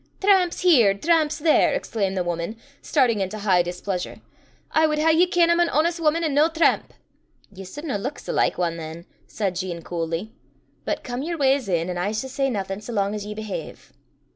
"Tramps here, tramps there!" exclaimed the woman, starting into high displeasure; "I wad hae ye ken I'm an honest wuman, an' no tramp!" "Ye sudna luik sae like ane than," said Jean coolly. "But come yer wa's in, an' I s' say naething sae lang as ye behave."